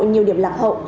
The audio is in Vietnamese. nhiều điểm lạc hậu